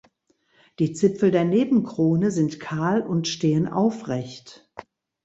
Die Zipfel der Nebenkrone sind kahl und stehen aufrecht.